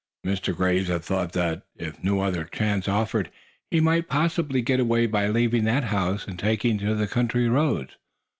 "Mr. Graves had thought that, if no other chance offered, he might possibly get away by leaving that house and taking to the country roads.